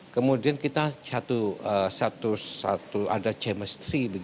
kemudian kita satu ada chemistry